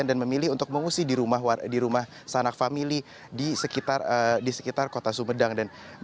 dan memilih untuk mengungsi di rumah sanak famili di sekitar kota sumedang